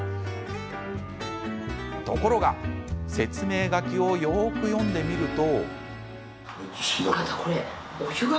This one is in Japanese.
ところが説明書きをよく読んでみると。